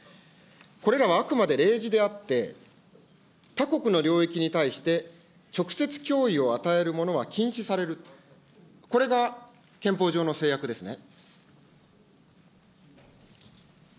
これらはあくまで例示であって、他国の領域に対して直接脅威を与えるものは禁止される、これが憲法上の制約ですね。